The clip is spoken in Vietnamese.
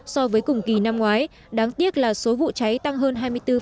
so với cùng kỳ năm ngoái đáng tiếc là số vụ cháy tăng hơn hai mươi bốn